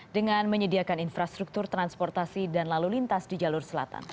dengan menyediakan infrastruktur transportasi dan lalu lintas di jalur selatan